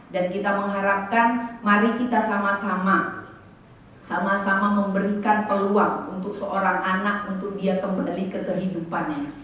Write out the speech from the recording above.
dan kita mengharapkan mari kita sama sama memberikan peluang untuk seorang anak untuk dia kembali ke kehidupannya